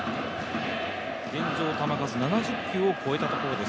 現状、球数７０球を超えたところです